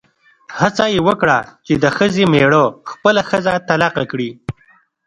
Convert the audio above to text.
هڅه یې وکړه چې د ښځې مېړه خپله ښځه طلاقه کړي.